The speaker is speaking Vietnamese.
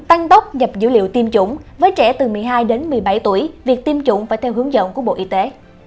tăng tốc nhập dữ liệu tiêm chủng với trẻ từ một mươi hai đến một mươi bảy tuổi việc tiêm chủng phải theo hướng dẫn của bộ y tế